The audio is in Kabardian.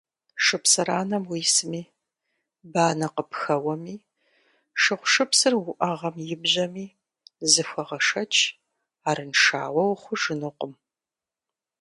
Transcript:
- Шыпсыранэм уисми, банэ къыпхэуэми, шыгъушыпсыр уӏэгъэм ибжьэми, зыхуэгъэшэч, арыншауэ ухъужынукъым.